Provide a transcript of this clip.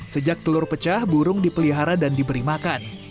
sejak telur pecah burung dipelihara dan diberi makan